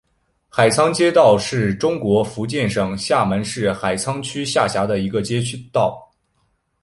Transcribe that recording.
海沧街道是中国福建省厦门市海沧区下辖的一个街道。